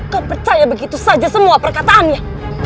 kau percaya begitu saja semua perkataannya